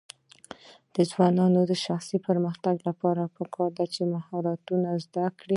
د ځوانانو د شخصي پرمختګ لپاره پکار ده چې مهارتونه زده کړي.